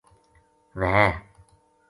وھے